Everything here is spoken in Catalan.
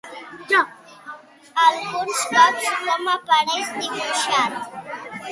Alguns cops, com apareix dibuixat?